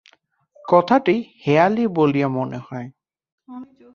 কথাটি হেঁয়ালি বলিয়া মনে হয়।